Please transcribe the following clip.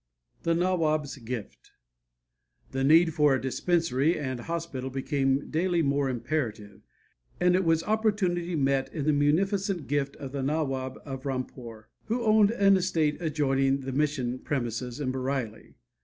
THE NAWAB'S GIFT The need for a dispensary and hospital became daily more imperative, and it was opportunely met in the munificent gift of the Nawab of Rampore, who owned an estate adjoining the mission premises in Bareilly.